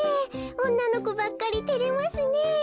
おんなのこばっかりてれますねえ。